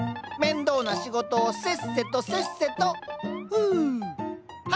面倒な仕事をせっせとせっせと。